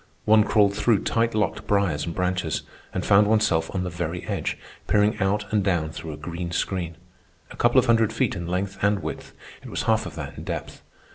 One crawled through tight locked briers and branches, and found oneself on the very edge, peering out and down through a green screen. A couple of hundred feet in length and width, it was half of that in depth.